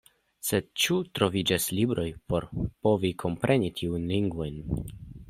Sed ĉu troviĝas libroj por povi kompreni tiujn lingvojn?